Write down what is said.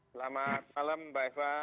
selamat malam mbak eva